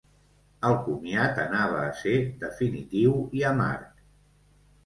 El comiat anava a ser definitiu i amarg.